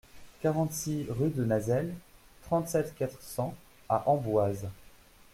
quarante-six rue de Nazelles, trente-sept, quatre cents à Amboise